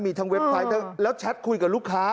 มีทั้งเว็บไซต์แล้วแชทคุยกับลูกค้า